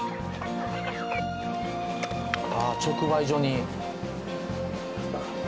ああ直売所に。